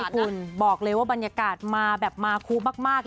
คุณบอกเลยว่าบรรยากาศมาแบบมาคุมาก